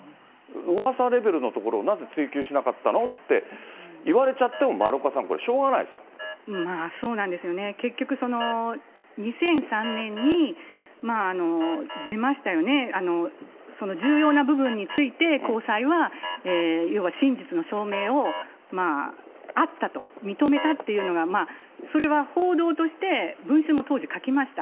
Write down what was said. うわさレベルのところをなぜ追及しなかったのって言われちゃっても、丸岡さん、これ、まあそうなんですよね。結局、２００３年に出ましたよね、その重要な部分について、高裁は、要は真実の証明を、あったと認めたっていうのが、それは報道として文春も当時書きました。